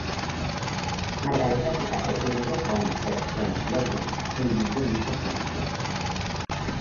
Margarita se casó primero con Sir John Logie, sin ningún hijo conocido.